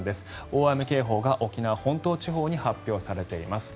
大雨警報が沖縄本島地方に発表されています。